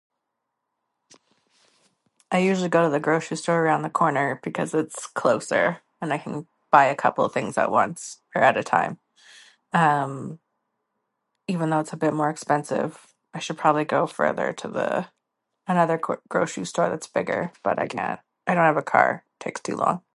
I usually go to the grocery store around the corner because it's closer, and I can buy a couple of the things at once, or at a time. Um, even though it's a bit more expensive, I should probably go further to the... another gr- grocery store that's bigger. But I can't, I don't have a car, takes too long.